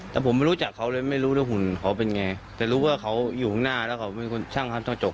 แต่ผมไม่รู้จักเขาเลยไม่รู้ด้วยหุ่นเขาเป็นไงแต่รู้ว่าเขาอยู่ข้างหน้าแล้วเขาเป็นคนช่างทำต้องจบ